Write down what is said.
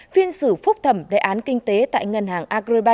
phiên xử phúc thẩm đại án kinh tế tại ngân hàng agriba